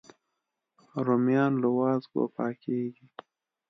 رومیان له وازګو پاکېږي